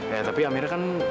ya tapi amira kan